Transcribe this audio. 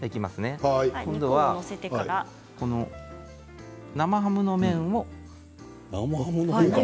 今度は生ハムの面も。